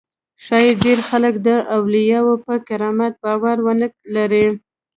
ښایي ډېر خلک د اولیاوو پر کرامت باور ونه لري.